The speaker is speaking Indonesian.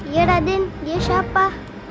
iya raden dia siapa